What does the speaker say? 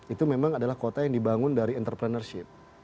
itu memang adalah kota yang dibangun dari entrepreneurship